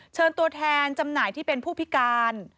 เชิญตัวแทนจำหน่ายที่เป็นผู้พิการ